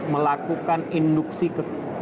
melakukan induksi ke